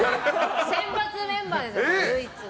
選抜メンバーですよ、唯一の。